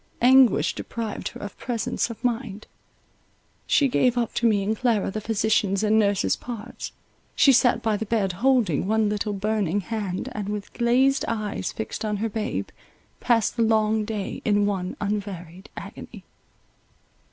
Anguish deprived her of presence of mind; she gave up to me and Clara the physician's and nurse's parts; she sat by the bed, holding one little burning hand, and, with glazed eyes fixed on her babe, passed the long day in one unvaried agony.